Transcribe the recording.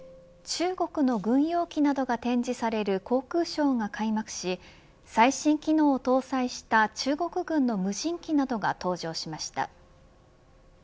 中国の軍用機などが展示される航空ショーが開幕し最新機能を搭載した中国軍の無人機などが登場しました。